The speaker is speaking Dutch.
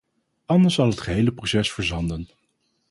Anders zal het gehele proces verzanden.